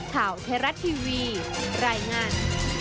ข่าวเทราะห์ทีวีรายงาน